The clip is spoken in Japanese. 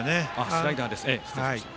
スライダーでしたね。